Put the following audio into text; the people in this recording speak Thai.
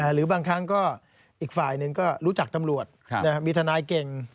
หรือบางครั้งก็อีกฝ่ายหนึ่งก็รู้จักตำรวจมีทนายเก่ง